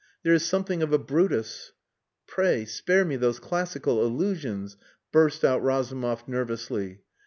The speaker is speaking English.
There is something of a Brutus...." "Pray spare me those classical allusions!" burst out Razumov nervously.